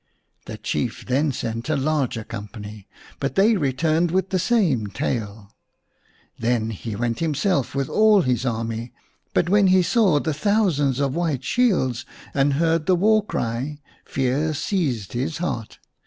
The Chief then sent a larger company, but they returned with the same tale. Then he went himself with all his army ; but when he saw the thousands of white shields and heard the war cry, fear seized his heart.